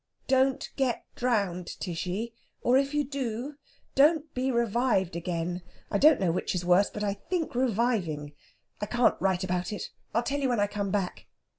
Don't get drowned, Tishy; or, if you do, don't be revived again! I don't know which is worst, but I think reviving. I can't write about it. I'll tell you when I come back.